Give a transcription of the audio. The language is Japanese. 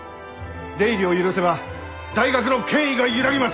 出入りを許せば大学の権威が揺らぎます！